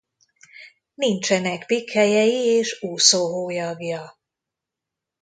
Nincsenek pikkelyei és úszóhólyagja.